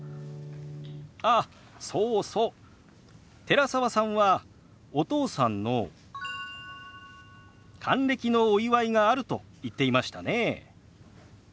寺澤さんはお父さんの還暦のお祝いがあると言っていましたね。